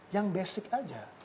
yang basic aja